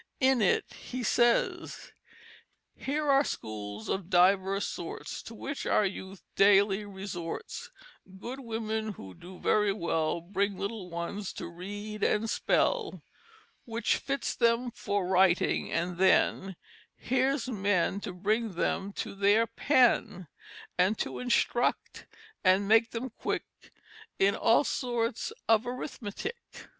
In it he says: "Here are schools of divers sorts To which our youth daily resorts, Good women, who do very well Bring little ones to read and spell, Which fits them for writing; and then Here's men to bring them to their pen, And to instruct and make them quick In all sorts of Arithmetick."